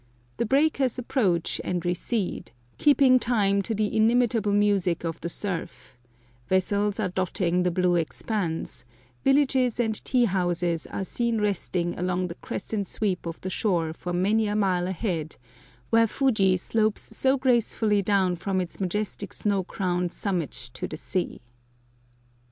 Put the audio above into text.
The breakers approach and recede, keeping time to the inimitable music of the surf; vessels are dotting the blue expanse; villages and tea houses are seen resting along the crescent sweep of the shore for many a mile ahead, where Fuji slopes so gracefully down from its majestic snow crowned summit to the sea.